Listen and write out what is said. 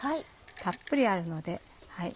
たっぷりあるので。